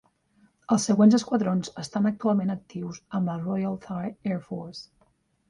Els següents esquadrons estan actualment actius amb la Royal Thai Air Force.